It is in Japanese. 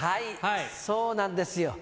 そうなんですよ。